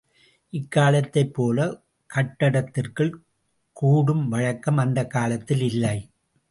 இக்காலத்தைப் போலக் கட்டடத்திற்குள் கூடும் வழக்கம் அக்காலத்தில் இல்லை.